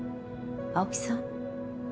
青木さん。